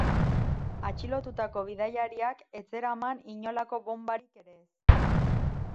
Atxilotutako bidaiariak ez zeraman inolako bonbarik ere ez.